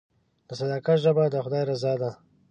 د صداقت ژبه د خدای رضا ده.